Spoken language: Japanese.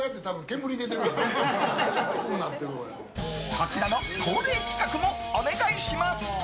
こちらの恒例企画もお願いします。